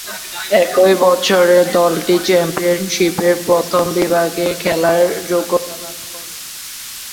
একই বছরে দলটি চ্যাম্পিয়নশীপের প্রথম বিভাগে খেলার যোগ্যতা লাভ করে।